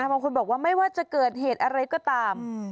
บางคนบอกว่าไม่ว่าจะเกิดเหตุอะไรก็ตาม